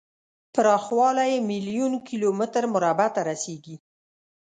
پراخوالی یې میلیون کیلو متر مربع ته رسیږي.